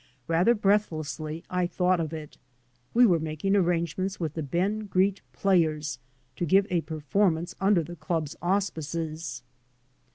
Rather breathlessly I thought of it; we were making arrangements with the Ben Greet Players to give a performance under the club's auspices.